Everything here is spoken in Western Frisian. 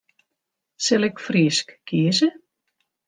Sil ik Frysk kieze?